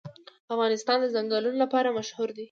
افغانستان د ځنګلونه لپاره مشهور دی.